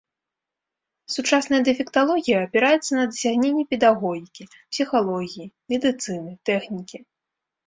Сучасная дэфекталогія апіраецца на дасягненні педагогікі, псіхалогіі, медыцыны, тэхнікі.